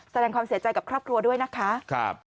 แสดงความเสียใจกับครอบครัวด้วยนะคะ